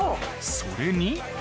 それに。